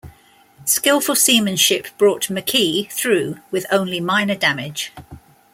Skillful seamanship brought "McKee" through with only minor damage.